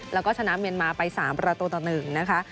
แล้วก็ชนะเมียนมาไป๓ประตูต่อ๑นะคะ